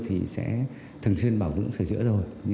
thường xuyên bảo vững sửa chữa rồi